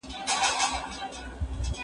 هغه وويل چي زده کړه مهمه ده!.